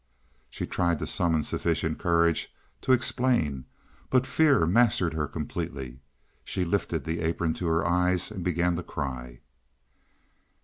She tried to summon sufficient courage to explain, but fear mastered her completely; she lifted the apron to her eyes and began to cry.